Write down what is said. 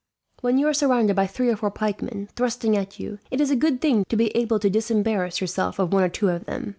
When you are surrounded by three or four pikemen, thrusting at you, it is a good thing to be able to disembarrass yourself of one or two of them.